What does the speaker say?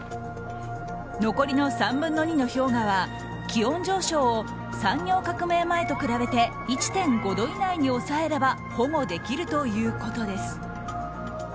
残りの３分の２の氷河は気温上昇を産業革命前と比べて１．５度以内に抑えれば保護できるということです。